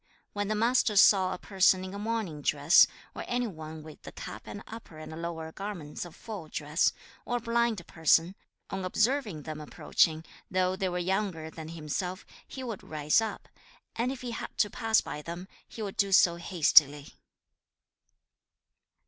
When the Master saw a person in a mourning dress, or any one with the cap and upper and lower garments of full dress, or a blind person, on observing them approaching, though they were younger than himself, he would rise up, and if he had to pass by them, he would do so hastily.